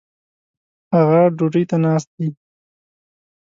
هغه ډوډي ته ناست دي